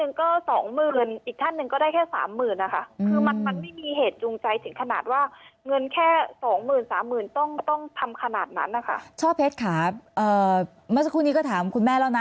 เงินแค่สองหมื่นสามหมื่นต้องต้องทำขนาดนั้นนะคะช่อเพชรค่ะเอ่อเมื่อสักครู่นี้ก็ถามคุณแม่แล้วน่ะ